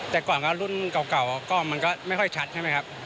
แต่ก่อนก็รุ่นเก่าก็มันก็ไม่ค่อยชัดใช่ไหมครับ